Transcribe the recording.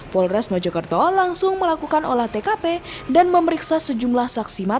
polres mojokerto langsung melakukan olah tkp dan memeriksa sejumlah saksi mata